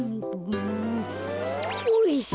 おいしい。